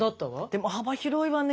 でも幅広いわね